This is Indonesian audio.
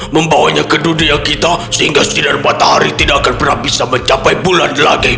membawanya ke dunia kita sehingga sinar matahari tidak akan pernah bisa mencapai bulan lagi